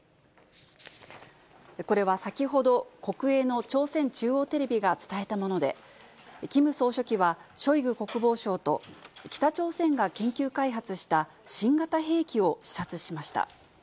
これは先ほど、国営の朝鮮中央テレビが伝えたもので、キム総書記は、ショイグ国防相と、北朝鮮が研究開発した新型兵器を視察しました。